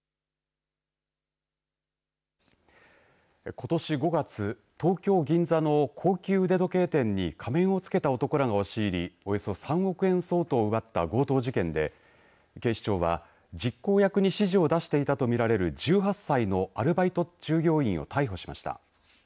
ことし５月東京・銀座の高級腕時計店に仮面をつけた男らが押し入りおよそ３億円相当を奪った強盗事件で、警視庁は実行役に指示を出していたと見られる１８歳のアルバイト従業員を逮捕しました。